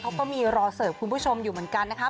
เขาก็มีรอเสิร์ฟคุณผู้ชมอยู่เหมือนกันนะคะ